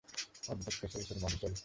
Hot dog ক্যাসেলের মারিসোল?